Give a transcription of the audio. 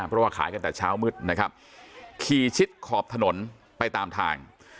เพราะว่าขายกันแต่เช้ามืดนะครับขี่ชิดขอบถนนไปตามทาง